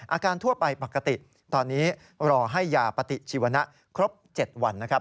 ทั่วไปปกติตอนนี้รอให้ยาปฏิชีวนะครบ๗วันนะครับ